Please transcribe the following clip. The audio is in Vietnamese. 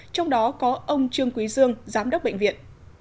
trong đó có ông trương quý dương giám đốc bệnh viện